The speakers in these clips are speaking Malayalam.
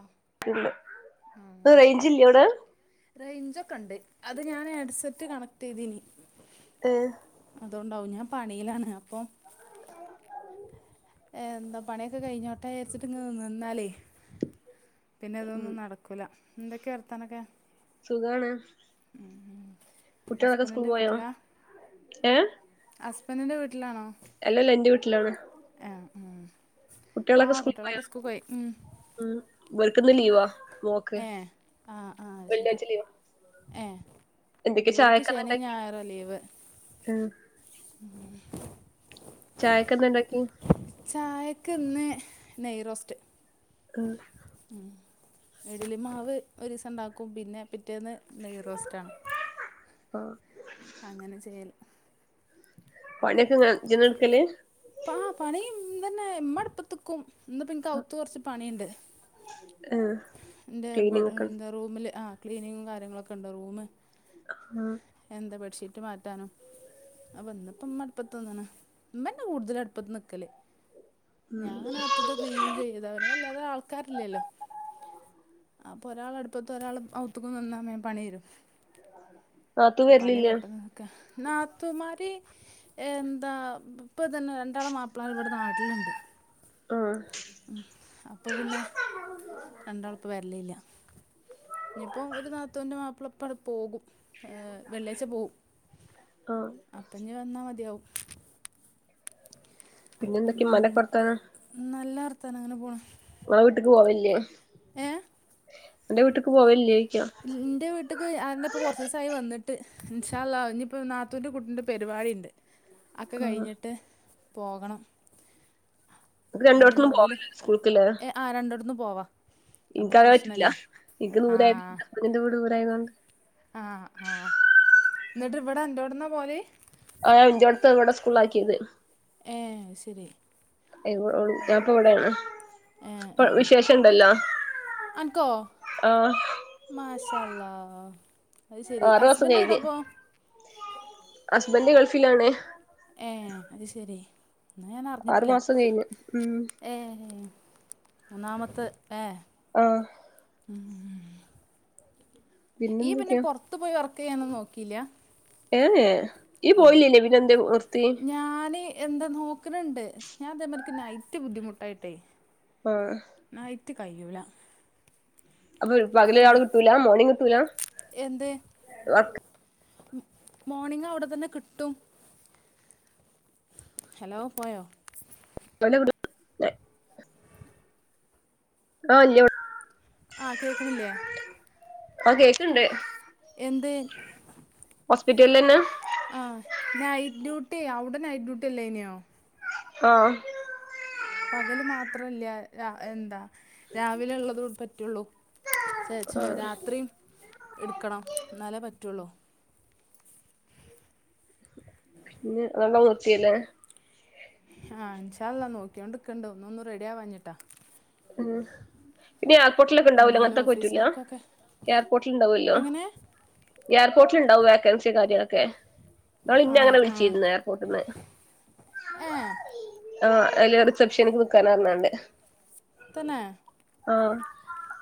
അഹ്‌ [unintelligible] ഇപ്പ റേഞ്ചില്ലെഅവ്ടെ റേഞ്ചൊക്കണ്ട് അത് ഞാന് ഹെഡ്സെറ്റ് കണക്ടെയ്തിന് [unintelligible] അതൊണ്ടാവും ഞാ പണിയ്ലാണ് അപ്പൊ ഏഹ് എന്താ പണിയൊക്കെ കൈഞ്ഞോട്ടെചാരിചിട്ട് ങ്ങ് ന്നാലേയ് ഉം പിന്നതൊന്നും നടക്കൂല്ല. എന്തൊക്കയാ വർത്താനൊക്കെ സുഖാണ് ഉം കുട്ടികളൊക്കെ സ്കൂൾ ഹസ്ബന്റിന്റെ പോയോ വീട്ട്ലാ ഏഹ് ഹസ്ബന്റിന്റെ വീട്ടിലാണൊ അല്ലല്ല എന്റെ വീട്ട്ലാണ് എഹ് ആഹ് കുട്ടികളൊക്ക ആഹ് സ്കൂളി പോയ കുട്ടികളൊക്കെ സ്കൂൾക്ക് പോയി ഉം ഉം ഇവര്ക്കിന്ന് ലീവാമോ ക് [unintelligible] ഏഹ് ആഹ് ആഹ് അത് ശരി വെള്ളിയാഴ്ച്ച ലീവാ ഏഹ് എന്തൊക്കെ ഇവര്ക്ക് ശെനി ഞായറു ആ ലീവ് ഉം ഉം ചായക്കെന്താ ഇണ്ടാക്കി ചായക്ക്ന്ന് നെയ് റോസ്റ്റ് [unintelligible] ഫ് ഉം ഇഡലി മാവ് ഒരുസം ഇണ്ടാക്കും. പിന്നെ, പിറ്റേന്ന് നെയ്യ് റോസ്റ്റാണ് മാഹ് മാ [unintelligible] അങ്ങനെ ചെയ്യല് പണിയൊക്കെ ങ്ങള് ജ്ജെന്നെ ഇട്ക്കല് ആ പണിയ്ന്തന്നെ മ്മഅടുപ്പത്ത് ക്കും ഇന്നിപ്പ എനി കൗ ത്ത് കൊറ്ച്ച് പണിയിണ്ട് ഉം [unintelligible] ക്ലീനിങ് ഒക്ക റൂമില് ആഹ് ക്ലീനിങ്ങും കാര്യങ്ങളൊക്കെണ്ട് റൂമ് ആഹ് എന്താ ബെഡ്ഷീറ്റ് മാറ്റാനും അ വന്നപ്പമ്മ അടുപ്പത്ത്ന്ന്ണ് മ്മന്നെ കൂടുതല് അടുപ്പത്ത് നിക്കല് ഉം ഞാനങ്ങനെ അത്ത് ത്തെ ക്ലീന് ചെയ്താര്നു വല്ലാതെ ആൾക്കാരില്ലല്ലോ അപ്പൊ ഒരാൾ അടുപ്പത്ത് ഒരാൾ ഔത്തക്കന്നാല് വേം പണി തീരും നാത്തൂ പണി വരലില്ലേ പെട്ടൊന്നാക്കെ നാത്തൂൻമാര് എന്താ ഇപ്പൊതന്നെ രണ്ടാള് മാപ്പിളമാർഇവിടെ നാട്ടിലുണ്ട് ആഹ് ഉം അപ്പൊ പിന്നെ രണ്ടാള്പ്പം വരലില്ല ഇനിയിപ്പോ ഒരു നാത്തൂന്റെ മാപ്പിളപ്പണ്ട് പോകും ഏ വെള്ളിയാഴ്ച്ച പോകും ആഹ് അപ്പഞ് വന്നാ മതിയാവും പിന്നെ എന്തൊക്കെ ഉം ഇമ്മാന്റൊക്കെ വർത്താനം നല്ല വർത്താനം അങ്ങനെ പോണ് ങ്ങളെ വീട്ടക്ക് പോവല്ലേ അന്റെ വീട്ടക്ക് പോവല്ലേക്ക എൻ്റെ വീട്ടേക്ക് ആന്നെപ്പം കുറച്ച് ദിവസമായി വന്നിട്ട് ഇന്ശാള്ള ഇപ്പം നാത്തൂൻ്റെ കുട്ടൻ്റെ പരിപാടി ഉണ്ട് [unintelligible] അക്കെ കഴിഞ്ഞിട്ട് പോകണം ക്ക് ആഹ് പിന്നെ രണ്ടോടത്തുന്നും അഹും കൂടി പോവാലോ സ്കൂൾക്ക്ല്ലേ ഏ ആ രണ്ടിടത്തുന്നും പോവാ ഇൻക്ക് അകെ പറ്റില്ല എനിക്ക് ദൂരായ ഇന്റ വീട് ദൂരായതൊണ്ട് ആഹ് ആഹ് എന്നിട്ട് ഇവിടെ എന്റെറോടന്നാ പോവല് ആഹ് ഇഞ്ചോടുത്ത് ഇവിടെ സ്കൂളിലാക്കിയത് ഏ ശരി [unintelligible] ഞാൻപ്പടെ ഇവിടെയാണ് ഏ ഏ വിശേഷ ഇണ്ടല്ലോ അനക്കോ ആഹ് മാഷ അല്ലാ അത് ശെരി ഹസ്ബൻറ് എവിടെയാ അപ്പം ഹസ്ബൻ്റ് ഗൾഫിലാണ് ഏഹ് അത്ശരി എന്നാ ഞാൻ ആറു അറിഞ്ഞിട്ടില്ല മാസം കഴിഞ്ഞ് ഉം ഏ മൂന്നാമത്തെ ഏ ആഹ് ഉ ഇയ്യ് പിന്നെ പിന്നെന്തൊക്കെയാ പുറത്തു പോയി വർക്ക് ചെയ്യാനന്നും നോക്കില്ല ഏഹ് എ ഈ പോയില്ലന്യോ പിന്നെന്തേ നിർത്തി ഞാന് എന്താ നോക്കണുന്നുണ്ട് ഞാൻ അതേമാതിക്ക് നൈറ്റ് ബുദ്ധിമുട്ടായിട്ടേ ആഹ് ന്നായിറ്റ് കയൂല അപ്പൊ പകല്ആള് കിട്ടൂല മോർണിങ് കിട്ടൂല വർക്ക് എന്തേമോണിംഗ്അവിടെ തന്നെ കിട്ടും ഹലോ പോയോ വ [unintelligible] ഓവല്യ ആ കേൾക്കണില്ലേ പ്പ കേക്കണ്ട് എന്തേ ഹോസ്പിറ്റലിൽ തന്നാ ആഹ് നൈറ്റ് ഡ്യൂട്ടി അവിടെ നൈറ്റ് ഡ്യൂട്ടി അല്ലേ നെയോ ആഹ് പകല് മാത്രല്ല രാ എന്താ രാവിലെ ഉള്ളതു പറ്റുള്ളൂ ചേച്ചോ ആഹ് രാത്രിയും എടുക്കണം എന്നാലെ പറ്റുള്ളോ ഇ [unintelligible] ആഹ് ഇൻ ഷാ ള്ളാ നോക്കിയോണ്ട്ക്കണ്ട ഒന്ന്ഒന്നും റെഡിയാവാഞ്ഞിട്ടാ ആഹ് പിന്നെ എയർപോർട്ടിലൊക്കെ ഉണ്ടാവൂലോ എന്തെങ്കിലും അങ്ങനത്തക്കെ ഓഫീസ് പറ്റൂല വർക്കൊക്കെ എയർപോർട്ടിൽ ഉണ്ടാവല്ലോ എങ്ങനെ എയർപോർട്ടിലുണ്ടാവോ വോക്കൻസി കാര്യങ്ങളൊക്കെ നാൾ ആ ഇനെ അങ്ങനെ ആ വിളിച്ചിര്ന്ന് ഏർപോട്ട്ന്ന് ഏ ആ അല് റിസപ്ഷനിക്ക് നിക്കാനാർഞാണ്ട്. സ്തന്നെ. ആഹ്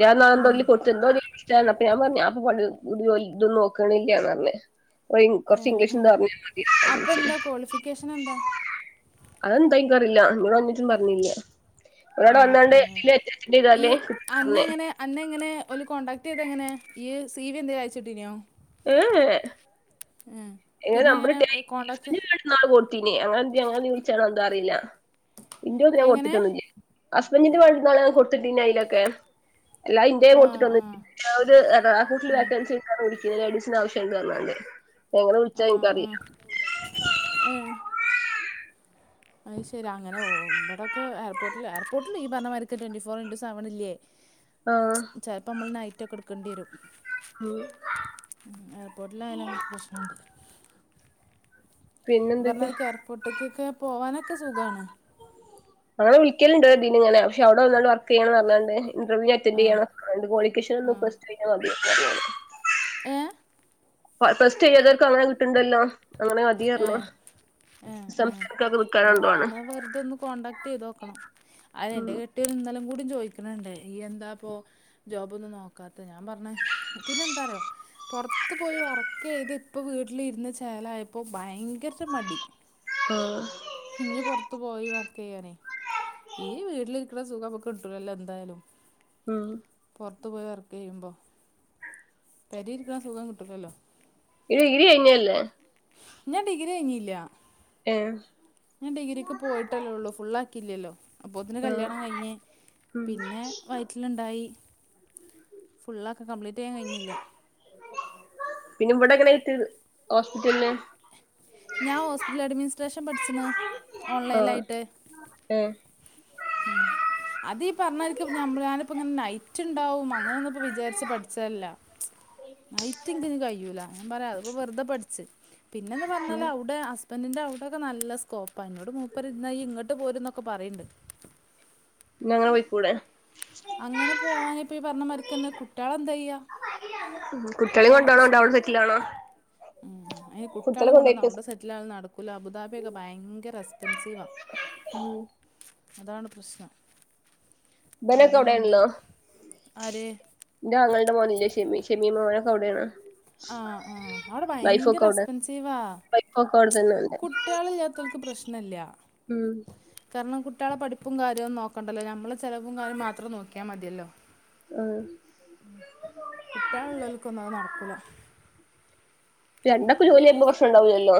ഞാന്നതാല് കൊടുത് ന്ദോ ഷ്ള്ളാ പ്പോഞാൻ പറഞ് അപ്പൊ ഞാ ജോ ഇതൊന്നും നോക്ണ്ല്ലന്നർഞ്. [unintelligible] ഏ, കൊറച്ച് ഇംഗ്ലീഷ് ഉം. ന്താഅറിഞ്ഞ മതി [inaudible] അപ്പം എന്താ ക്വാളിഫിക്കേഷൻ എന്താ അതെന്താ ഇൻക് അറിയില്ല ഇന്നോട് അഞ്ഞുട്ടും പറഞ്ഞില്ലാ ഉം ഉം ഈ ചെയ്താല് കിട്ടും പറഞ്ഞ് അന്നങ്ങനെ അന്നങ്ങനെ ഓൽ കോൺടാക്ട്യ്തങ്ങനെ ഈ സീവി എന്തേലും അയച്ചിട്ടിഞ്യോ? ഏഹ് ഏഹ് ഏഹ് പിന്നെ എങ്ങനെ കോണ്ടാക്ട് ന്നാള് കൊട്ത്തീന് അങ്ങനെ എന്തേ അങ്ങന വിളിച്ചാണ്ന്ദോ അറിയില്ല ഇന്റോന്നും ഞാൻ എങ്ങനെ കൊത്തിട്ടൊന്നുല്ലേന് അസ്ബൻ്റിന്റെ വണ്ടി ന്നാൾ ഞാൻ കൊടുത്തിട്ടീനി അയിലൊക്കെ. എല്ലാ ഇന്ത്യയും ആ കൊടുത്തിട്ടൊന്ന ആ [unintelligible] വാക്കൻസി [unintelligible] ലേഡീസിനആവി ശ്യണ്ട്നർഞാണ്ട് ആഹ് ആഹ് ഏഹ്. അയിശെരി അങ്ങനെ ഓ ഇവിടൊക്കെ എയർപോട്ട്ല് എയർപോട്ട്ല് ഇയ്യ് പറഞ്ഞ മാരിക്ക് ട്വന്റി ഫോർന്റു ഇൻ്റൂ സെവൻല്ലേ? [inaudible] ആഹ് ചെൽപ്പം നമ്മൾ നൈറ്റൊക്കെടുക്കേണ്ടിരും ആഹ് എയർപോർട്ടിലായാലും അങ്ങൻത്തെ പ്രശ്നണ്ട് ഇയ്യ് പിന്നെന്തൊക്കെയാ പറഞ്ഞത്ക്ക് എയർപോർട്ട്ക്ക്ക്കെ പോവാനൊക്കെ സുഖണ് അങ്ങെ വിളിക്കല്ണ്ട്ഇതിൻ ങ്ങനേ പക്ഷെ അവിടെ വന്നാണ്ട് വർക്ക് ചെയ്യണന്നർഞ്ഞാണ്ട്. ഇന്റർവ്യൂ അറ്റൻഡ് ആ ചെയ്യണം രണ്ട്കോളിക്കേഷൻ ഒന്ന് ആ പ്ലസ് ടു മതി ഏ ഫസ്റ്റ് ചെയ്യാതോർക്കും അങ്ങനെ കിട്ട്ണ്ടല്ലോ അങ്ങനെ ഏ ഏ മതിഅർഞ് എന്ന എന്നാ വെറുതെ ഒന്ന് കോണ്ടാക്ട് എയ്തോക്കണം അഹ് ഉം എന്റെ കുട്ടിൾ ഇന്നെലും കൂടി ചോയിക്കണണ്ടേ ഈയ്യെന്താപ്പൊ ജോബൊന്നും നോക്കാതെ ഞാൻ പറഞ് പിന്നെ എന്താർയോ? പൊറത്ത് പോയി വർക്കെയ്ത് ഇപ്പോ വീട്ടിലിര്ന്ന് ചേലയപ്പോൾ ഭയങ്കര മടി. ആഹ് ഇഞ്ഞ് പൊർത്തു പോയി വർക്ക് ചെയ്യാനേ ഈ വീട്ടില്ക്ണ സുഖംമ്മക്ക്‌ കിട്ടുലല്ലോ എന്തായാലും. ഉംഹ് പൊർത്ത് പോയി വർക്കെയ്യുമ്പോ പെരിരി ന്ന സുഖം കിട്ടുല്ലല്ലോ ഇരു ഇിരി ഞല്ലേ? ഞാൻ ഡിഗ്രി കഴിഞ്ഞില്ല്യ ഏഹ് ഞാൻ ഡിഗ്രിക്ക് പോയിട്ടല്ലോള്ളൂ ഫുള്ളാക്കില്ലല്ലോ അപ്പോതിന് ആ കല്ല്യാണം കഴിഞ്ഞേ ഉം പിന്നെ വയറ്റ്ൽ ഇണ്ടായി ഫുള്ളൊക്ക കംപ്ലീറ്റെയ്യാൻ കഴിഞ്ഞില്ല പിന്നെ ഇവിടെ എങ്ങനെയിറ്റ് ഹോസ്പിറ്റല്ല് ഞാ ഹോസ്പിറ്റ്ൽ അഡ്മിനിസ്ട്രേഷൻ പഠിച്ച്ണ് ഓൺലൈനായിട്ട് ഏഹ് ഉം അതീ ഈ പറഞ്ഞായിരിക്കും നഞമ്മൾ ഞാനിപ്പോങ്ങനെ നൈറ്റ്ണ്ടാവും അങ്ങനൊന്ന്പ്പോ വിചാരിച്ച് പഠിച്ചേല്ല [inaudible] നൈറ്റിൻക്ക്‌ കഴിയൂല ഞാൻ പറയാ അത്പ്പ വെറുതെ പഠിച് പിന്നെന്ന് പറഞ്ഞാൽ അവിടെ ഹസ്ബെന്റിന്റെ അവിടൊക്കെ നല്ല സ്കോപ്പാ ഇനോട് മൂപ്പര് ന്നാ ഇയ്യ് ഇങ്ങട്ട് ട്ട് പോര്ന്നൊക്കെ പറിയിണ്ട്. ഇന്ന അങ്ങനെ പോയിക്കൂടെ അങ്ങനെ പോവാന ഇപ്പോം ഈ പറഞ്ഞ മാരിക്കന്നേയ് കുട്ടയാള എന്ത ചെയ്യ കുട്ട്യാളി കൊണ്ടോണോ ഇണ്ടവിടെ സെറ്റിലാണോ കുട്ട്യാളെകൊണ്ടോയിട്ട് റ്റാൾ നടക്കൂല അബുദാബിയൊക്കെയങ്കര എക്സ്പെൻസീവാാ ഉം അതാണ് പ്രശ്ണം ഇബനൊക്കെ അവിടയും കൊണ്ട് ആര് ഇന്റൊങ്ങൾടെ മോന് ഇല്ലെ ഷെമി ഷെമി മോനൊക്കെ അവിടെണ് ആഹ് ആ അവിടെ ഭയങ്കര അവിടെ എക്സ്പെൻസീവാ വൈഫൊക്കെ അവിടെ തന്നെയുണ്ട് കുട്ട്യാളില്ലാത്തോൽക്ക് പ്രശ്നല്ല്യ ഉം തരണം കുട്ട്യാളെ പഠിപ്പും കാര്യൊന്ന നോക്കണ്ടല്ലോ നമ്മളചലവും കാര്യം മാത്രം നോക്കിയാ മതിയലോ ആഹ് കുട്ട്യാ ളുള്ളർക്കൊന്നും അത് നടക്കൂല രണ്ടൊക്ക ജോലിയുമ്പോപ്രശ്ന ണ്ടാവില്ലല്ലോ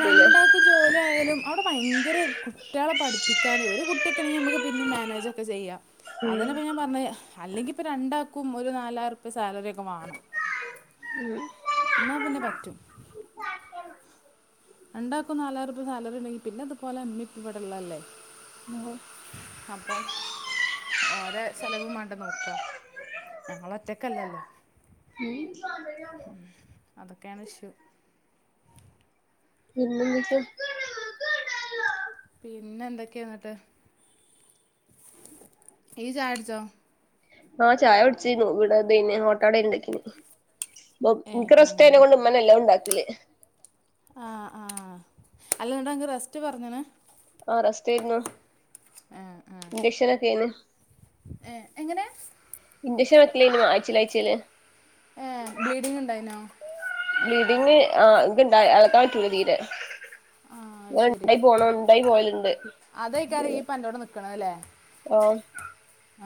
രണ്ട ക്ക് ജോലിയ യാലും അവിടെ ഭയങ്കര കുട്ട്യാളെ പഠിപ്പിക്കാന ഒരു കുട്ടിയൊക്കെ ആണെങ്കി ഞ മ്മ ക്ക് പിന്നെ മനേജൊക്കെ ചെയ്യാ അതന്നെപ്പ ഞാ പറഞ്ഞത് അല്ലെങ്കി ഇപ്പൊ രണ്ടാക്കും ഒരു നാലായിരംറുപ്യ സാലറി ഒക്കെ വേണം ഉം ഇന്നാ പിന്നെ പറ്റും രണ്ടാക്കും നാലായിരം രൂപ്യ സാലറി ഉണ്ടെങ്കി പിന്നെ ഇതുപോലെ ഇമ്മിപ്പ ഇവിടെള്ളല്ലേ ഉം അപ്പം ഓര ചലവും മാണ്ട നോക്ക ഞങ്ങള് ഒറ്റക്കല്ലല്ലോ അതൊക്കെണ് ഇഷു മീശം പിന്നെ എന്തൊക്കെന്നിട്ട് ഈ ചായടിച്ചോ ആഹ് ചായയൊടിച്ചിന്നു ഇവിടെത്ന്നെ ഓട്ടോണ്ടാക്കിന് ഏ ഇനിക്കറസ്റ്റേനെ കൊണ്ട് ഉമ്മന്നെ എല്ലാ ഉണ്ടാക്കല് ആഹ് ആഹ് അല്ലണ്ട് അണക്ക് റെസ്റ്റ് പറഞ്ഞന് ആഹ് റസ്തേന്നു ഏ ഏ ഇൻജക്ഷനൊക്കെ ഏന് ഏ, എങ്ങനെ ഇൻഡക്ഷൻ വെക്കലെർന്ന് ആയ്ച്ചില ആയ്ച്ചില് ഏ ബ്ലീഡിങ് ഇണ്ടായിനോ ബ്ലീഡിങ് ആ ഇന്ക്ക് ണ്ടായി അളക്കാ പറ്റൂല തീരെ ആ അത് ങ്ങ ശരി ണ്ടായി പോണം ഇ ണ്ടായി പോയലുണ്ട് അതേക്കാരം ഈ പൻ്റോടെ ഓഹ്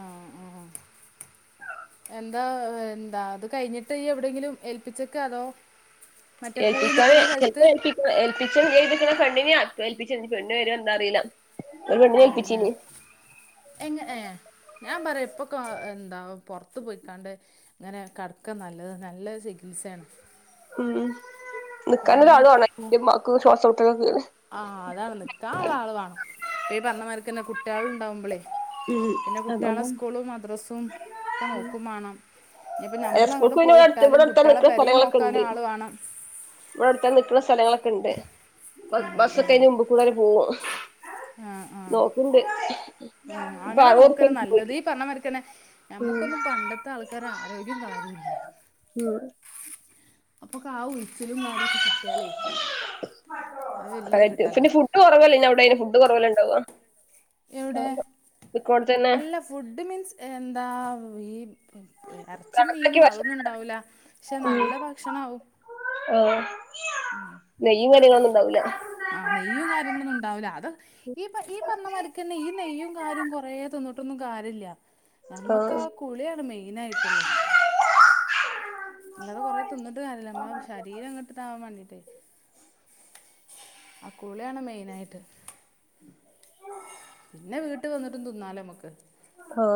ആഹ് ആഹ് എന്താ എന്താ ഇത് കഴിഞ്ഞിട്ട് എവിടെയങ്കിലും ഏൽപ്പിച്ചക്ക അതോ മറ്റേ പോയി ഏൽപ്പിചാന് നിൽക്കണ സ്ഥലത്ത് എൽപിച് ഒരു പെണ്ണിനെ ആക്കി ന്താറിയില്ല ഒരു പെണ്ണ് വരാൻ എന്താന്നറിയില്ല പെണ്ണിനെ ഏ ഏ ഏൽപ്പിചിന് എങ്ങ ഏ ഞാ പറാഇപ്പൊ എന്താ പുറത്തു പോയിക്കാണ്ട് ങ്ങനെ കടക്ക നല്ലത് നല്ല ചികിത്സയാണ് ഉം നിക്കന് ഒരള് കാരണം വാണം ഇന്റെ മ്മാ ക്ക് ശ്വാസംമുട്ടൊക്ക ആഹ് അതാണ് നിക്കാള ആള് വാണം ഇപ്പ ഈ പറഞ്ഞമാർക്ക്ന്നെ കുട്ട്യാളു ണ്ടാവുമ്പോളെയേ ഉം പിന്നെ കുട്ട്യാളെ അതോണ്ടാണ് സ്കൂളും മദ്രസും ക്കെ നോക്കും വാണം നിയിപ്പൊ സ്കൂൾക്ക് നമ്മളഅങ്ങട്ട് പിന്നെ ഇവടെ അടുത്ത് പോയിട്ടാലും കുട്ട്യാളെപെര നോക്കാനും ആളുവേണം വടെ അടുത്ത നിക്കുള്ള സ്ഥലങ്ങളൊക്കെ ഇണ്ട് ബ ആഹ് ബസ്സൊക്കെ ആഹ് അതിന്റെ മുമ്പുക്കൂടി തന്നെ പോകും ആഹ് ആഹ് നോക്കുണ്ട് ആഹ് അങ്ങനെ നോക്കണ് നല്ലത് ഈ പറഞ്ഞ മാരിക്കന്നെ ഉം ഞമ്മക്കൊന്നും പണ്ടത്തെ ആൾക്കാര ആരോഗ്യം കാര്യോം ഇല്ല ഉം അപ്പൊ കാ ഒഴിച്ചലും കാര്യൊക്കെ കി വലിയൊരു റക്റ്റ് കിട്ടലാ പിന്നെ ഫുഡ് കുറവല്ല അവിടെെ ഫുഡ് കുറവല്ല ണ്ടാവുവ എവിടെ അല്ല ഫുഡ് മീൻസ് എന്താ ഈ ഇറച്ചി കണക്കാക്കി മീനും അതൊന്നും ഭക്ഷണം ഉണ്ടാവൂലാ പക്ഷെ നല്ല ഭക്ഷണാവും ആ നെയ്യും കാര്യങ്ങളൊന്നും ഉണ്ടാവൂല്ല ആ നെയ്യും കാര്യങ്ങളൊന്നും ഉണ്ടാവില്ല അത് ഈ ഈ പറഞ്ഞമാരക്ക്ന്നെ ഈ നെയ്യും കാര്യം കൊറേ തിന്നിട്ടൊന്നും കാര്യല്ല നമ്മക്ക് ആഹ് ആ കുളിയാണ് മെയിൻ ആയിട്ടുള്ളത്. അല്ലാതെ കൊറെ തിന്നിട്ട് കാര്യല്ല, നമ്മടെ ശരീരം ങ്ങട്ട് താവാൻ വേണ്ടിട്ട്. ആ കുളിയാണ് മെയിൻ ആയിട്ട്. ഉം പിന്നെ വീട്ട് വന്നിട്ട് തിന്നാലോ നമുക്ക് ആ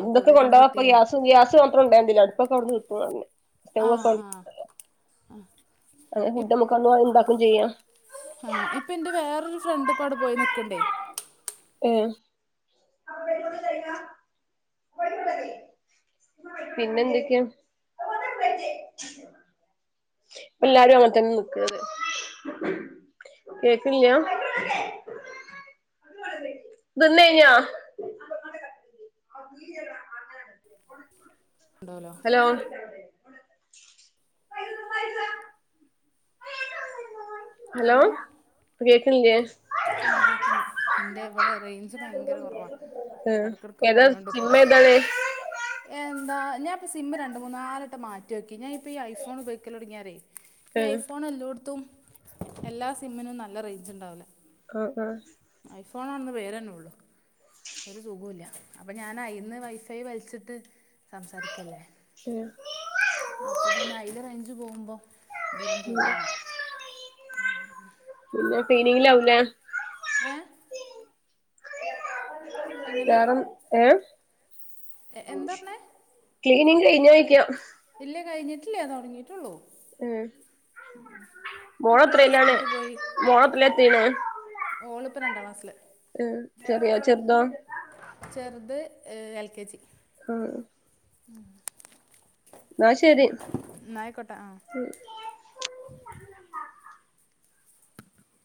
ആ എന്തൊക്കെ കുളിയൊക്കെ അങ്ങട് കൊണ്ടോവാ കിട്ടി പ്പം കഴി ഗ്യാസ് ഗ്യാസ് മാത്രം കൊണ്ടായാതില്ലേ അടുപ്പൊക്കെ അവിന്ന് കിട്ടും ന്നറ്ഞ്ഞി ആഹ് ആഹ് ആഹ് ആ ഫുഡ് നമുക്കങ്ങ് ഉണ്ടാക്കും ചെയ്യാം ആ ഇപ്പൊ എന്റെ വേറൊരു ഫ്രണ്ട് ഇപ്പ അവിടെ പോയി നിക്ക്ണ്ടേ ഉം പിന്നെ എന്തൊക്കെയ ഇപ്പ എല്ലാരും അങ്ങനത്തന്നെ നിക്ക്ണത് കേക്കണില്ലാ തിന്ന് കഴിഞ്ഞോ ഉണ്ടാവൂലാ ഹലോ [unintelligible] ഹലോ കേക്കണില്ലേ ആ കേക്ക്ണ്ട് ഇന്റെ ഇവിടെ റേഞ്ച് ഭയങ്കര കുറവാ ഉം ഇടക്കിടക്ക് ഏതാ പോയോണ്ട് നിക്കും സിനിമ ഏതാണ് എന്താ ഞാൻ ഇപ്പോം സിംമ് രണ്ട് മൂന്നാലട്ടം മാറ്റി നോക്കി ഞാൻ ഇപ്പോൾ ഈ ഐ ഫോൺ ഉപയോഗിക്കല് തുടങ്ങിയാരേ ഈ ഉം ഐഫോൺ എല്ലോട്‌ത്തും എല്ലാ സിമ്മിനും നല്ല റേഞ്ച് ഉണ്ടാവുല ആ, ആ ഐഫോൺ ആണെന്ന് പേര് ന്നെ ഉള്ളു. ഒരു സുഖുല്ല അപ്പൊ ഞാൻ അയ്ന്ന് വൈഫൈ വലിച്ചിട്ട് സംസാരിക്കല്ലേ [unintelligible] അപ്പൊ പിന്നെ അയിലെ റേഞ്ച് പോകുമ്പോ ഇതിലും പോവാണ്. പിന്നെ ക്ലീനിംഗ് ലാകും ലേ ഏ എങ്ങനെ വേറ ഏ എ- എന്താ പറഞ്ഞേ ക്ലീനിംങ് കഴിഞ്ഞോ ചോദിക്കാ ഇല്ല കഴിഞ്ഞിട്ടില്ല തുടങ്ങിയിട്ടുള്ളൂ ഉം, മോള് മക്കളൊക്കെ എത്രയിലാണ്, സ്കൂൾക്ക് മോളത്ര എത്തിണെ? ഓളിപ്പ രണ്ടാം ക്ലാസ്സില് ഉം ചെറിയോ ചെറുതോ ചെറ്ത് എൽ കെ ജി ആ ഉം ന്നാ ശെരി എന്നാ ആയിക്കോട്ടെ ആഹ്.